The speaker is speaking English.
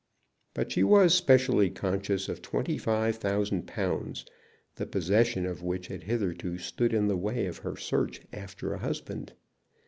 But she was specially conscious of twenty five thousand pounds, the possession of which had hitherto stood in the way of her search after a husband.